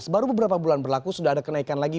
baru beberapa bulan berlaku sudah ada kenaikan lagi